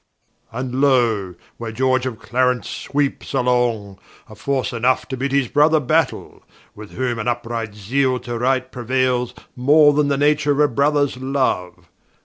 And loe, where George of Clarence sweepes along, Of force enough to bid his Brother Battaile: With whom, in vpright zeale to right, preuailes More then the nature of a Brothers Loue.